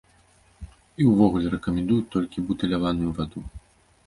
І ўвогуле рэкамендуюць толькі бутыляваную ваду.